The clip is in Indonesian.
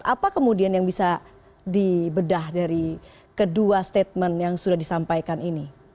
apa kemudian yang bisa dibedah dari kedua statement yang sudah disampaikan ini